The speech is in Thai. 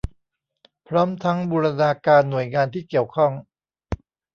พร้อมทั้งบูรณาการหน่วยงานที่เกี่ยวข้อง